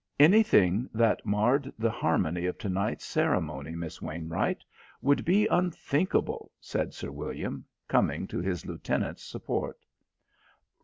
"Anything that marred the harmony of to night's ceremony, Miss Wainwright, would be unthinkable," said Sir William, coming to his lieutenant's support.